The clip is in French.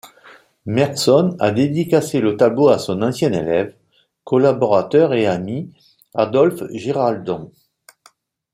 Merson a dédicacé le tableau à son ancien élève, collaborateur et ami Adolphe Giraldon.